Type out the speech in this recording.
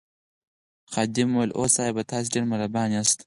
خادم وویل اوه صاحبه تاسي ډېر مهربان یاست.